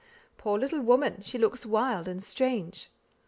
Poor little woman, she looks wild and strange!"